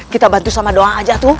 kita bantu sama doa aja